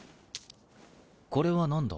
これは何だ？